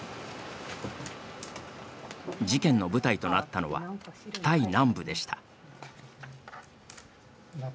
事件の舞台となったのはタイ南部でした。